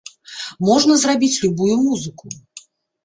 Можна зрабіць любую музыку.